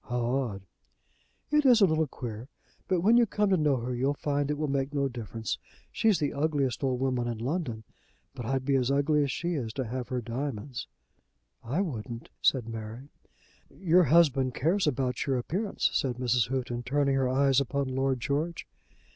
"How odd!" "It is a little queer, but when you come to know her you'll find it will make no difference. She's the ugliest old woman in London, but I'd be as ugly as she is to have her diamonds." "I wouldn't," said Mary. "Your husband cares about your appearance," said Mrs. Houghton, turning her eyes upon Lord George.